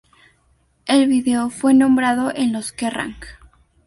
El video fue nombrado en los Kerrang!